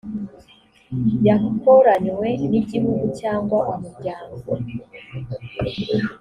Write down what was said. yakoranywe n igihugu cyangwa umuryango